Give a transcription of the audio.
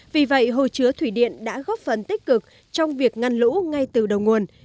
vì vậy hồ chứa thủy điện đã góp phần tích cực trong việc ngăn lũ ngay từ đầu nguồn